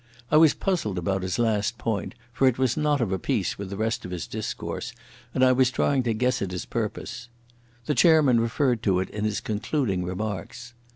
I was puzzled about his last point, for it was not of a piece with the rest of his discourse, and I was trying to guess at his purpose. The chairman referred to it in his concluding remarks.